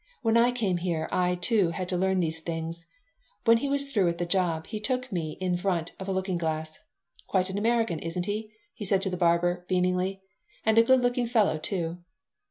"When I came here I, too, had to learn these things." When he was through with the job he took me in front of a looking glass. "Quite an American, isn't he?" he said to the barber, beamingly. "And a good looking fellow, too."